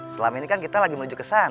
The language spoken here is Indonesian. selama ini kan kita lagi menuju ke sana